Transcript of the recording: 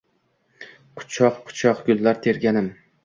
Quchoq-quchoq gullar terganim